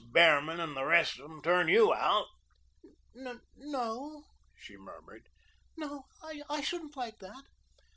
Behrman and the rest of 'em turn you out?" "N no," she murmured. "No, I shouldn't like that.